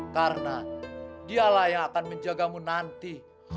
karena dialah yang akan menjagamu nanti